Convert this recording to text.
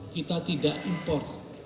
kita tidak import